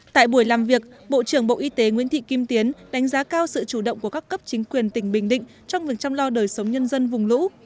tại buổi làm việc bộ trưởng bộ y tế nguyễn thị kim tiến đánh giá cao sự chủ động của các cấp chính quyền tỉnh bình định trong việc chăm lo đời sống nhân dân vùng lũ